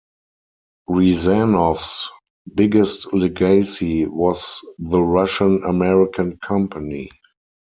Rezanov's biggest legacy was the Russian-American Company.